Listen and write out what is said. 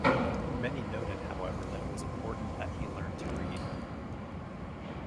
Many noted, however, that it was important that he learn to read.